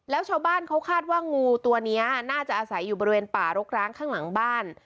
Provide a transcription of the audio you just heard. แล้วชาวบ้านเขาคาดว่างูตัวนี้น่าจะอาศัยอยู่บริเวณป่ารกร้างข้างหลังบ้าน